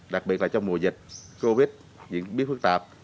đặc biệt là trong mùa dịch covid những bí quyết phức tạp